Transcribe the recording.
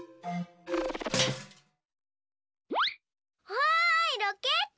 わいロケット！